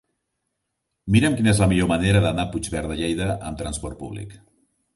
Mira'm quina és la millor manera d'anar a Puigverd de Lleida amb trasport públic.